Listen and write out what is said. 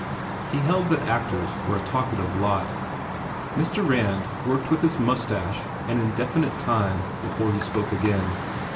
He held that actors were a talkative lot. Mr. Rand worked with his moustache an indefinite time before he spoke again.